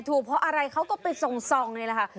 ทูบเพราะอะไรเขาก็ไปส่งเลยล่ะค่ะ